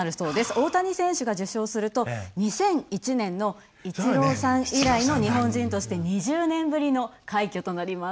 大谷選手が受賞すると２００１年のイチローさん以来の日本人として２０年ぶりの快挙となります。